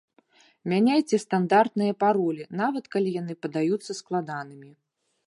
Мяняйце стандартныя паролі, нават калі яны падаюцца складанымі.